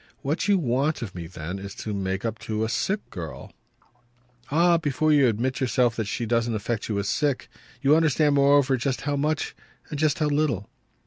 "What you want of me then is to make up to a sick girl." "Ah but you admit yourself that she doesn't affect you as sick. You understand moreover just how much and just how little."